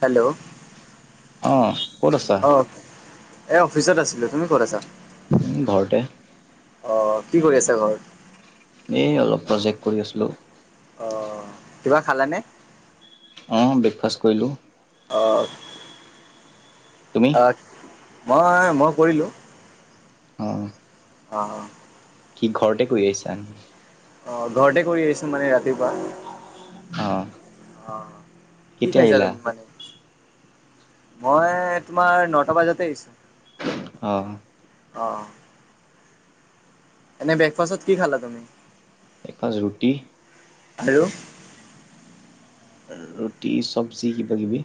Hello অ ক'ত আছা? অ এ অফিচত আছিলো তুমি ক'ত আছা উম ঘৰতে অ কি কৰি আছে ঘৰত এই অলপ প্ৰজেক্ট কৰি আছিলো অ কিবা খালানে অ ব্ৰেকফাষ্ট কৰিলো অ তুমি? অ মই মই কৰিলো অ অ কি ঘৰতে কৰি আহিছা নি অ ঘৰতে কৰি আহিছো মানে ৰাতিপুৱা অ অ কি কেতিয়া খাইছা আহিলা? তুমি মানে মই তোমাৰ নটা বজাতে আহিছো অ অ অ এনে ব্ৰেকফাষ্টত কি খালা তুমি এখন ৰুটি আৰু' ৰুটি, চবজি কিবা কিবি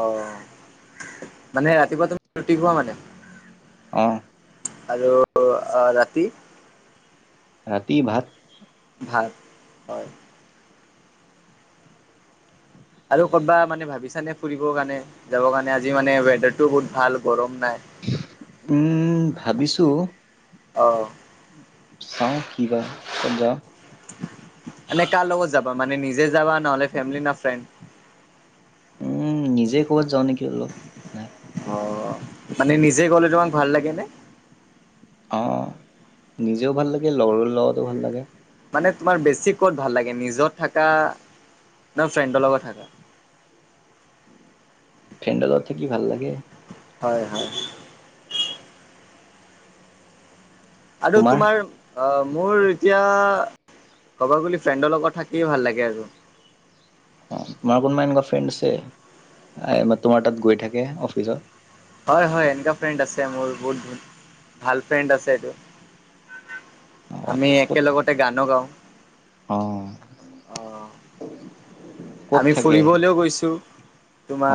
অ মানে ৰাতিপুৱা তুমি ৰুটি খোৱা মানে? অ আৰু ৰাতি ৰাতি ভাত ভাত হয় আৰু কত'বা মানে ভাবিছা নে ফুৰিবৰ কাৰণে যাবৰ কাৰণে আজি মানে ৱেডাৰটোও বহুত ভাল গৰম নাই। উম ভাবিছো অ চাওঁ কি বা ক'ত যাওঁ এনে কাৰ লগত যাবা? মানে নিজে যাবা নহ'লে ফেমিলি না ফ্ৰেণ্ড? উম নিজে ক'বাত যাওঁ নেকি অলপ নাই অ মানে নিজে গ'লে তোমাক ভাল লাগে নে? অ নিজেও ভাল লাগে লগৰৰ লগতো ভাল লাগে। মানে তোমাৰ বেছি ক'ত ভাল লাগে নিজত থাকা নে ফ্ৰেণ্ডৰ লগত থাকা? ফ্ৰেণ্ডৰ লগত থাকি ভাল লাগে। হয় হয় আৰু তোমাৰ অ মোৰ এতিয়া ক'ব গ'লি ফ্ৰেণ্ডৰ লগত থাকিয়ে ভাল লাগে আৰু। তোমাৰ কোনোবা এনেকুৱা ফ্ৰেণ্ড আছে আই বা তোমাৰ তাত গৈ থাকে অফিচত? হয় হয় এনেুৱা ফ্ৰেণ্ড আছে মোৰ বহুত বহুত ভাল ফ্ৰেণ্ড আছে এটো অ আমি ক'ত থাকে একেলগতে গানো গাওঁ। অ অ ক'ত আমি থাকে ফুৰিবলৈও গৈছোঁ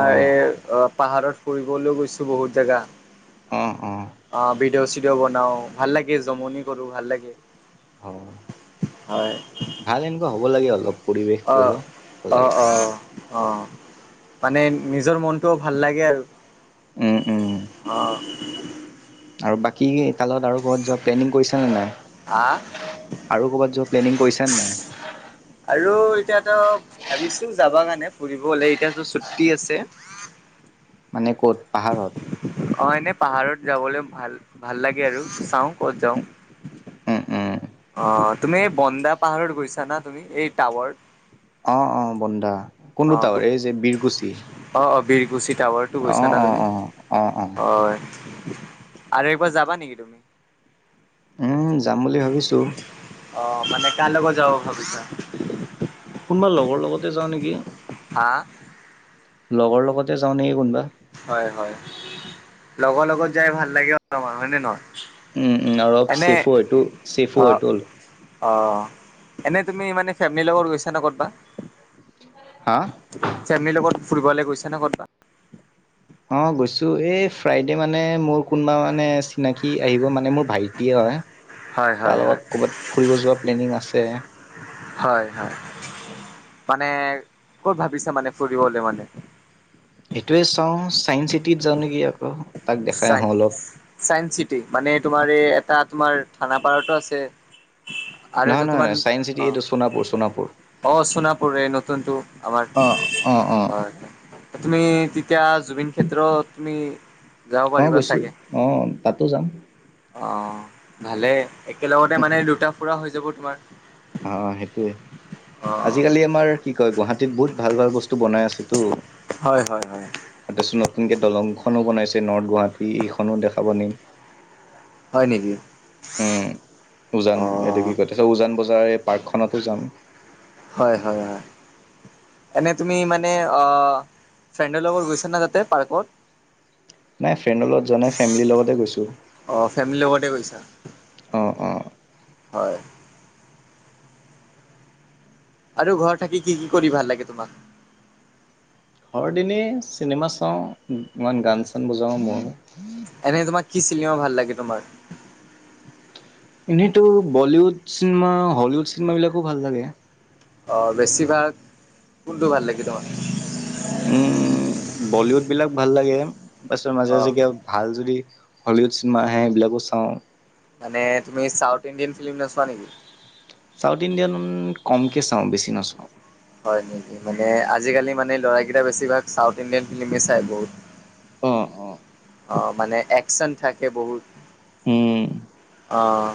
অ এ অ পাহাৰত ফুৰিবলৈ গৈছোঁ বহুত জেগা অ অ অ ভিডিঅ' চিডিঅ' বনাওঁ ভাল লাগে জমনি কৰোঁ ভাল লাগে। অ হয় ভাল এনেকুৱা হ'ব লাগে অলপ। পৰিৱেশটো অ অলপ ভাল অ লাগে অ অ মানে নিজৰ মনটোও ভাল লাগে আৰু উম উম অ। আৰু বাকী তালগত আৰু কবাত যোৱা প্লেনিং কৰিছা নে নাই? আআ আৰু কবাত যোৱা প্লেনিং কৰিছা নে নাই? আৰু এতিয়াতো ভাবিছো যাব কাৰণে ফুৰিবলে এতিয়াতো ছুটি আছে। মানে ক'ত পাহাৰত? অ এনে পাহাৰত যাবলে ভাল লাগে আৰু চাওঁ ক'ত যাওঁ। উম উম অ তুমি এই বন্দা পাহাৰত গৈছা না তুমি এই টাৱাৰ? অ অ বন্দা কোনটো অ টাৱাৰ এই যে বীৰকুছি? অ অ বীৰকুছি টাৱাৰটো অ গৈছা ন অ তুমি? অ অ অ হয় আৰু একবাৰ যাবা নেকি তুমি? উম যাম বুলি ভাবিছো। অ মানে কাৰ লগত যাব ভাবিছা? কোনোবা লগৰ লগতে যাওঁ নেকি। হা লগৰ লগতে যাওঁ নেকি কোনোবা। হয় হয়, লগৰ লগত যাই ভাল লাগে আৰু হয় নে নহয়? এনে অ' [unintelligible] অ', এনেই তুমি মানে ফেমলিৰ লগত গৈছা নে কতবা? হা? ফেমলিৰ লগত ফুৰিবলে গৈছা নে কত'বা? অ' গৈছো, এই ফ্ৰাইডে মানে মোৰ কোনোবা মানে চিনাকি আহিব মানে, মোৰ ভাইটিয়ে হয়। হয় হয় তাৰ হয়, লগত ক'ৰবাত ফুৰিব যোৱা প্লেনিং আছে। হয় হয়, মানে ক'ত ভাবিছে মানে ফুৰিবলৈ মানে? সেইটোৱে, চাওঁ, চাইন্স চিটিত যাওঁ নেকি আকৌ। তাক দেখাই আহোঁ চাইন্স অলপ। চাইন্স চিটি মানে তোমাৰ এই এটা তোমাৰ থানাপাৰতো আছে। আৰু নহয় এটা তোমাৰ নহয়, চাইন্স চিটি অ' এইটো সোণাপুৰ, সোণাপুৰ। অ' সোণাপুৰ এ নতুনটো আমাৰ অ', অ', অ', হয়। তুমি তেতিয়া জুবিন ক্ষেত্ৰত তুমি যাব অঁ, পাৰিবা গৈছোঁ, চাগে অঁ তাতো যাম। অ', ভালে একেলগতে মানে দুটা ফুৰা হৈ যাব তোমাৰ। অ, সেইটোৱে। অ আজিকালি আমাৰ কি কয়? গুৱাহাটীত বহুত ভাল ভাল বস্তু বনাই আছোঁটো। হয়, হয়, হয়। তাৰপিছত নতুনকে দলংখনো বনাইছে, নৰ্থ-গুৱাহাটী এইখনো দেখাব নিম। হয় নেকি? উম, উজান অ এইটো কি কয়? তাৰপিছত উজান বজাৰ এই পাৰ্কখনতো যাম। হয়, হয়, হয়। এনে তুমি মানে অ ফ্ৰেণ্ডৰ লগত গৈছা না, তাতে পাৰ্কত? নাই ফ্ৰেণ্ডৰ লগত যোৱা নাই, ফেমিলিৰ লগতে গৈছোঁ। অ', ফেমিলি লগত। তে গৈছা, অ অ হয়। আৰু ঘৰত থাকি কি কি কৰি ভাল লাগে তোমাক? ঘৰত এনেই চিনেমা চাওঁ, ইমান গান-চান বজাওঁ মোৰ। এনেই তোমাক কি চিনেমা ভাল লাগে তোমাৰ? এনেইতো বলীউড চিনেমা, হলিউড চিনেমাবিলাকো ভাল লাগে। অঁ, বেছিভাগ কোনটো ভাল লাগে তোমাৰ? উম, বলিউড বিলাক ভাল লাগে, অ [unintelligible] ভাল যদি হলিউড চিনেমা আহে, সেইবিলাকো চাওঁ। মানে, তুমি চাউথ-ইণ্ডিয়ান ফিল্ম নোচোৱা নেকি? চাউথ-ইণ্ডিয়ান কমকে চাওঁ, বেছি নচাওঁ। হয় নেকি? মানে আজিকালি মানে ল'ৰা কেইটা বেছিভাগ চাউথ-ইণ্ডিয়ান ফিল্মে চাই বহুত। অ অ অ' মানে একচন থাকে বহুত। উম। অঁ।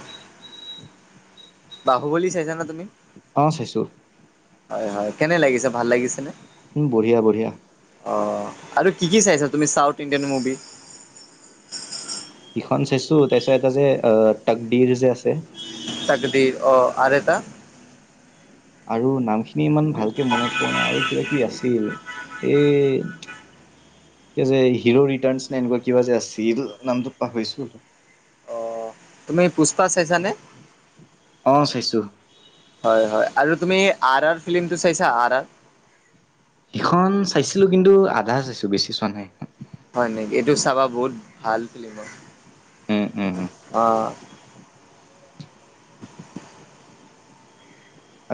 বাহুবলী চাইছা নে তুমি? অঁ, চাইছো। হয় হয়, কেনে লাগিছে, ভাল লাগিছে নে? উম বঢ়িয়া, বঢ়িয়া। অঁ, আৰু কি কি চাইছা তুমি চাউথ-ইণ্ডিয়ান মভি? ইখন চাইছো তাৰপিছত এটা যে তকদিৰ যে আছে তকদিৰ অ আৰু এটা আৰু নামখিনি ইমান ভালকে মনত পৰা নাই আৰু কিবা কিবি আছিল এ এই যে হিৰো ৰিটাৰ্ নে এনেকুৱা কিবা যে আছিল নামটোত পাহৰিছো অলপ অ তুমি পুষ্পা চাইছানে অ চাইছোঁ হয় হয় আৰু তুমি আৰ আৰ ফিল্মটো চাইছা আৰ আৰ ইখন চাইছিলো কিন্তু আধা চাইছো বেছি চোৱা নাই হয় নেকি এইটো চাবা বহুত ভাল ফিল্ম হয় উম উম উম অ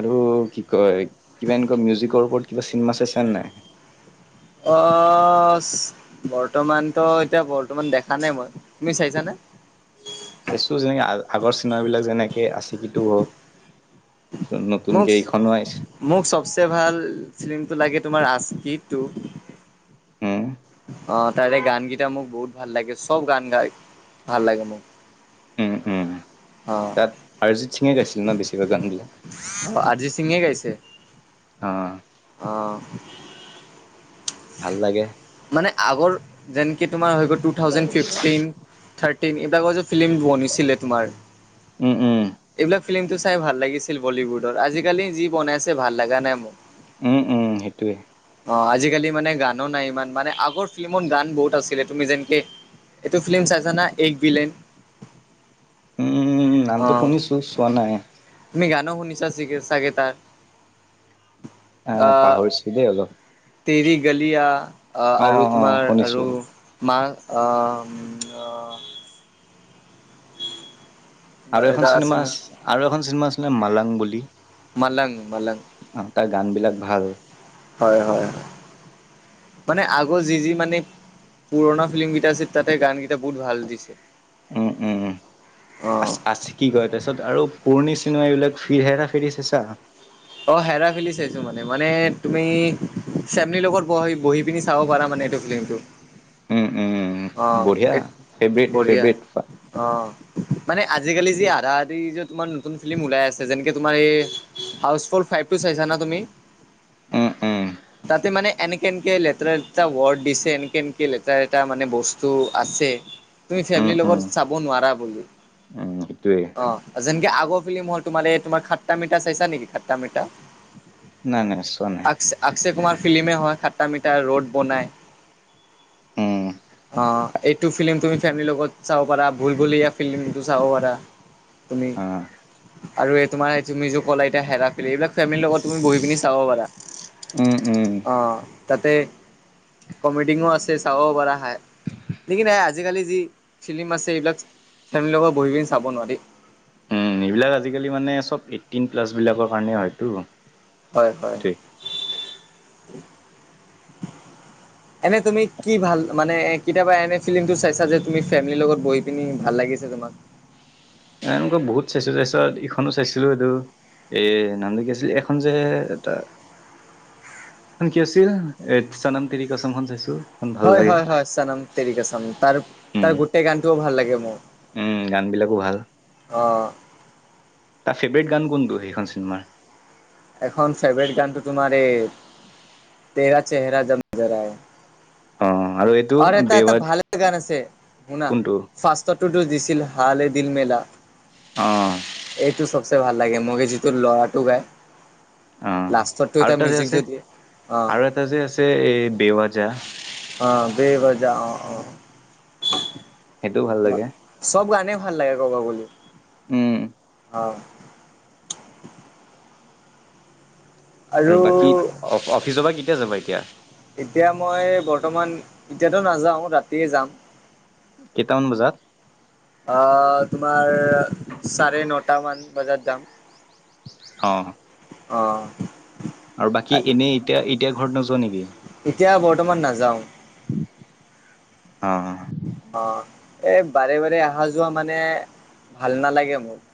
আৰু কি কয় কিবা এনেকুৱা মিউজিকৰ ওপৰত কিবা চিনেমা চাইছা নাই অ বৰ্তমানতো এতিয়া বৰ্তমান দেখা নাই মই তুমি চাইছানে চাইছোঁ যেনেকে আগৰ চিনেমা বিলাক যেনেকে আচিকি টু হওক নতুনকে মোক এইখনো আহিছে মোক চবচে ভাল ফিলিমটো লাগে তোমাৰ আজকি টো হু অ তাৰে গানকেইটা মোক বহুত ভাল লাগে চব গান গাই ভাল লাগে মোক অ আৰ্জিত সিঙে গাইছিলে ন' বেছিভাগ গান বিলাক। অ' আৰ্জিত সিঙে গাইছে। অ'। অ'। ভাল লাগে। মানে আগৰ যেনেকে তোমাৰ হৈ গ'ল টু থাউজেন্ড ফিফটিন। থাৰ্টিন এইবিলাকৰ যে ফিল্ম বনিছিলে তোমাৰ। উম, উম। এইবিলাক ফিল্মতটো চাই ভাল লাগিছিল বলীউডৰ আজিকালি যি বনাই আছে ভাল লগা নাই মোক উম উম সেইটোয়ে অ আজিকালি মানে গানো নাই ইমান মানে আগৰ ফিল্মত গান বহুত আছিলে তুমি যেনেকে এইটো ফিল্ম চাইছানা এক বিলেন। উম, নামটো অ' শুনিছোঁ চোৱা নাই। তুমি গানো শুনিছা ছিকে চাগে তাৰ। অ' আহ পাহৰিছো দেই অলপ। তেৰি গলিয়া অ', আৰু অ', অ', তোমাৰ শুনিছো। আৰু মা অ'। অ'। তোমাৰ আৰু এখন এটা চিনেমা আছিল ন আৰু এখন চিনেমা আছিলে মালাং বুলি। মালাং মালাং। অ' তাৰ গান বিলাক ভাল। হয় হয়, মানে আগৰ যি যি মানে পুৰণা ফিল্ম কেইটা আছিল তাতে গানকেইটা বহুত ভাল দিছে। উম, উম, অ আছ আছি কি কয় তাৰপিছত আৰু পুৰণি চিনেমা এইবিলাক ফিৰ হেৰা ফেৰি চাইছা। অ' হেৰা ফেলি চাইছো মানে মানে তুমি চেমেলিৰ লগত বহি বহি পিনি চাব পাৰা মানে এইটো। ফ্লিমটো উম, উম, বঢ়িয়া ফেভৰেট বঢ়িয়া ফেভৰেট। অ'। মানে আজিকালি যি আধা আধি তোমাৰ নতুন ফিল্ম ওলাই আছে যেনেকে তোমাৰ এই হাউচ ফ'ৰ ফাইভটো চাইছানে তুমি, উম, উম। তাতে মানে এনে কেনকে লেতেৰা লেতৰা ৱৰ্ড দিছে এনেকে এনেকে লেতেৰা এটা মানে বস্তু আছে। তুমি উম, ফেমিলিৰ উম, লগত চাব নোৱাৰা বুলো উম, সেইটোৱে অ'। যেনকে আগৰ ফিল্ম হ'ল তোমাল এই তোমাৰ খাট্টা মিঠা চাইছা নেকি খাট্টা মিঠা। নাই নাই চোৱা নাই। আক্সে কুমাৰ ফিল্মে হয় সাতটা মিটাৰ ৰোড বনাই। উম, অ' এইটো ফিল্ম তুমি ফেমিলিৰ লগত চাব পাৰা ভুল ভুলিয়া ফিল্মটো চাব পাৰা। তুমি অ'। আৰু এই তোমাৰ তুমি যোৰ ক'লা এতিয়া হেৰা এইবিলাক ফেমিলিৰ লগত তুমি বহি পিনি চাব পাৰা। উম, উম। অ' তাতে কমেডিঙো আছে চাব পৰা হয়। যিকি নাই আজিকালি যি ফিল্ম আছে এইবিলাক ফেমেলি লগত বহি পিনি চাব নোৱাৰি। উম এইবিলাক আজিকালি মানে চব এইটিন প্লাছবিলাকৰ কাৰণে হয়তো। হয় হয়। এনে তুমি কি ভাল মানে কেতিয়াবা এনে ফিলিমটো চাইছা যে তুমি ফেমিলিৰ লগত বহি পিনি ভাল লাগিছে তোমাৰ। এ এনেকুৱা বহুত চাইছো তাৰপিছত ইখনো চাইছিলো এইটো এ নামটো কি আছিল এখন যে এটা এখন কি আছিল এই চানাম তিৰি কচম খন চাইছোঁ। হয় হয় হয় চনম তেৰি কচম তাৰ উম তাৰ গোটেই গানটোও ভাল লাগে মোৰ। উম, গান বিলাকো ভাল, অ তাৰ ফেভৰেট গান কোনটো সেইখন চিনেমাৰ। এখন ফেভাৰট গানটো তোমাৰ এই তেৰা চেহেৰা জ জৰা অ আৰু এইটো আৰু এটা এটা বেৱাত ভালে গান আছে শুনা কোনটো ফাৰ্ষ্টটো দিছিল হালে দিল মেলা অ এইটো চবচে ভাল লাগে মোৰ যিটো লৰাটো গায় অ লাষ্টতটো এটা মিউজিক যে দি অ আৰু এটা যে আছে এই বেৱ যা অ বেৱ বজা অ অ সেইটোও ভাল লাগে চব গানে ভাল লাগে ক'ব গ'লে। উম। অ'। আৰু বাকী অ' অফিচৰ পৰা কেতিয়া যাবা এতিয়া। এতিয়া মই বৰ্তমান এতিয়াতো নাযাওঁ ৰাতিয়ে যাম কেইটামান বজাত অ তোমাৰ চাৰে নটা মান বজাত যাম অ অ আৰু বাকী এনেই এতিয়া এতিয়া ঘৰত নোযোৱা নেকি এতিয়া বৰ্তমান নাযাও অ অ এই বাৰে বাৰে অহা যোৱা মানে ভাল নালাগে মোক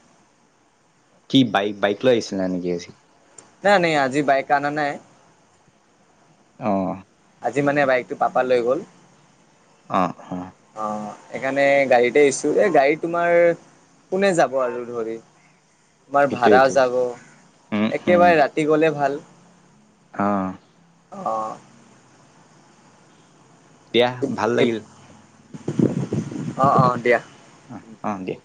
কি বাইক বাইক লৈ আহিছিল না নেকি আজি নাই নাই আজি বাইক আনা নাই অৱ। আজি মানে বাইকতটো পাপা লৈ গ'ল। অৱ অৱ। অৱ সেইকাৰণে গাড়ীতে আহছো এ গাড়ী তোমাৰ কোনে যাব আৰু ধৰি তোমাৰ সেইটোৱে ভাড়াও সেইটোৱে যাব উম একেবাৰে ৰাতি গ'লে ভাল। অৱ। অৱ। দিয়া ভাল লাগিল। অৱ অৱ দিয়া। অৱ অৱ দিয়া।